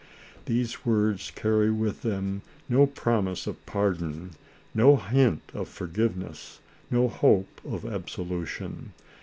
These words carry with them no prom ise of pardon, no hint of forgiveness, no hope of absolution.